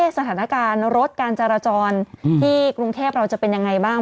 สถานการณ์รถการจราจรที่กรุงเทพเราจะเป็นยังไงบ้าง